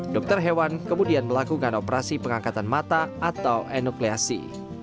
dokter hewan kemudian melakukan operasi pengangkatan mata atau enukleasi